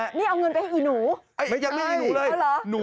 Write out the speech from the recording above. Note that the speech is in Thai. นี่เอาเงินไปให้หนู